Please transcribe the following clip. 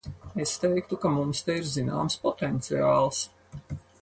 Es teiktu, ka mums te ir zināms potenciāls.